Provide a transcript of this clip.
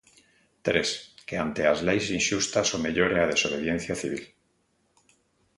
Tres, que ante as leis inxustas o mellor é a desobediencia civil.